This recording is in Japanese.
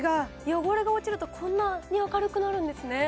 汚れが落ちるとこんなに明るくなるんですね